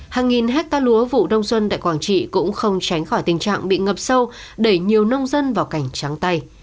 hàng nghìn hecta lúa vụ đông xuân tại quảng trị cũng không tránh khỏi tình trạng bị ngập sâu đẩy nhiều nông dân vào cảnh trắng tay